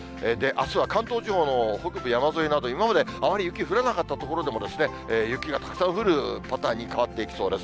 あすは関東地方の北部山沿いなど、今まであまり雪降らなかった所でも雪がたくさん降るパターンに変わっていきそうです。